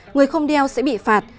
người không đeo sẽ bị phạt